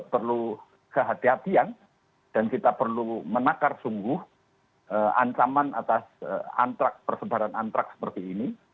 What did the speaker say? perlu kehatian dan kita perlu menakar sungguh ancaman atas antrak persebaran antraks seperti ini